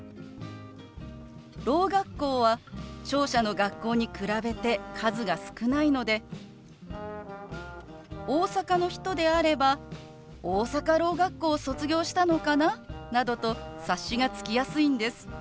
ろう学校は聴者の学校に比べて数が少ないので大阪の人であれば大阪ろう学校を卒業したのかななどと察しがつきやすいんです。